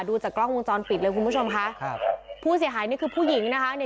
ดูจากกล้องวงจรปิดเลยคุณผู้ชมค่ะครับผู้เสียหายนี่คือผู้หญิงนะคะเนี่ย